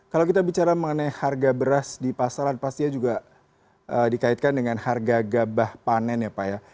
kalau kita bicara mengenai harga beras di pasaran pastinya juga dikaitkan dengan harga gabah panen ya pak ya